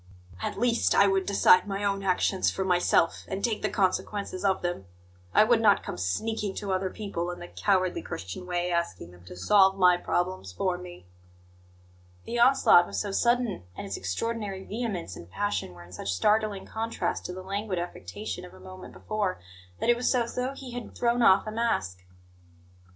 "At least, I would decide my own actions for myself, and take the consequences of them. I would not come sneaking to other people, in the cowardly Christian way, asking them to solve my problems for me!" The onslaught was so sudden, and its extraordinary vehemence and passion were in such startling contrast to the languid affectation of a moment before, that it was as though he had thrown off a mask.